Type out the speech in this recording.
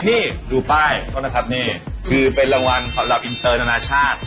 นี่ดูป้ายเขานะครับนี่คือเป็นรางวัลสำหรับอินเตอร์นานาชาติ